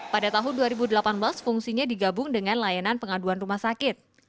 pada tahun dua ribu delapan belas fungsinya digabung dengan layanan pengaduan rumah sakit